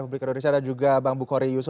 pemerintah yang berpengalaman